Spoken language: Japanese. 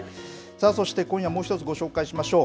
そして今夜もう１つご紹介しましょう。